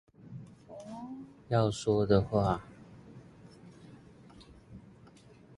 要說的話